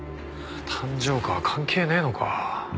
誕生花は関係ねえのか。